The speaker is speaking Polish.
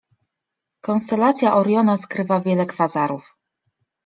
Konstelacja Oriona skrywa wiele kwazarów.